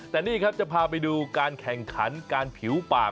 แต่นี่ครับจะพาไปดูการแข่งขันการผิวปาก